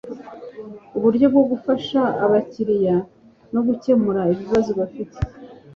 uburyo bwo gufasha abakiriya no gukemura ibibazo bafite